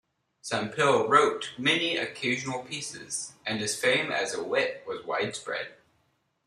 Sempill wrote many occasional pieces, and his fame as a wit was widespread.